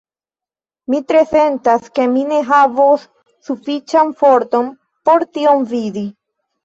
Mi tre sentas, ke mi ne havos sufiĉan forton por tion vidi.